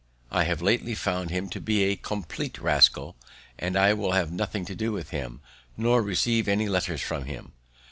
I have lately found him to be a compleat rascal, and I will have nothing to do with him, nor receive any letters from him."